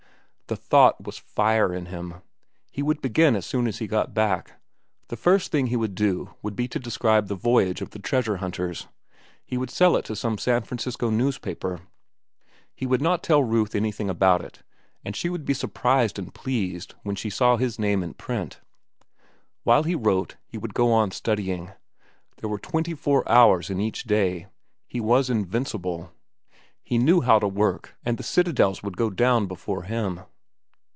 The thought was fire in him. He would begin as soon as he got back. The first thing he would do would be to describe the voyage of the treasure hunters. He would sell it to some San Francisco newspaper. He would not tell Ruth anything about it, and she would be surprised and pleased when she saw his name in print. While he wrote, he could go on studying. There were twenty four hours in each day. He was invincible. He knew how to work, and the citadels would go down before him.